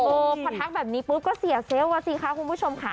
พอทักแบบนี้ปุ๊บก็เสียเซลล์อ่ะสิคะคุณผู้ชมค่ะ